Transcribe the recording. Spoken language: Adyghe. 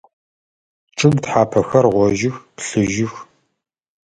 Чъыг тхьапэхэр гъожьых, плъыжьых.